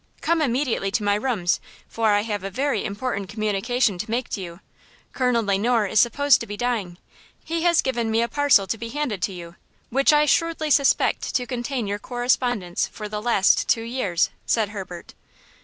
Come immediately to my rooms, for I have a very important communication to make to you. Colonel Le Noir is supposed to be dying. He has given me a parcel to be handed to you, which I shrewdly suspect to contain your correspondence for the last two years," said Herbert.